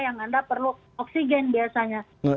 yang anda perlu oksigen biasanya